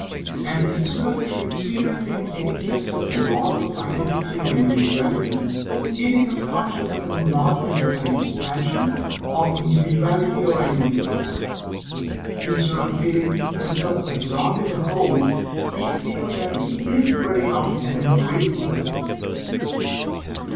And, instead of his experiencing any sense of the loss of identity or individuality, he becomes conscious of an enlargement of an expansion of individuality or identity instead of feeling himself absorbed in the Whole, he feels that he is spreading out and embracing the Whole.